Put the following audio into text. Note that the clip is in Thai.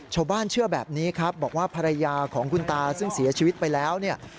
เชื่อแบบนี้ครับบอกว่าภรรยาของคุณตาซึ่งเสียชีวิตไปแล้วเนี่ย